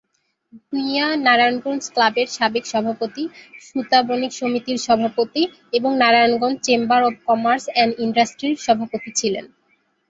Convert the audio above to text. ভূঁইয়া নারায়ণগঞ্জ ক্লাবের সাবেক সভাপতি, সুতা বণিক সমিতির সভাপতি এবং Narayanganj chamber of commerce and ইন্ডাস্ট্রির সভাপতি ছিলেন।